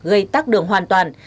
gây tắc đường hoàn toàn